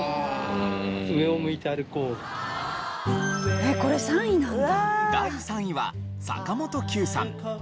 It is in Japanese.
えっこれ３位なんだ。